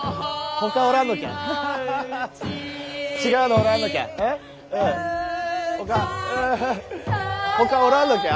ほかほかおらんのきゃ？